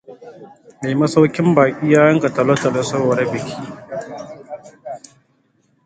Mai masaukin baƙin ya yanka talotalo sabida baƙin.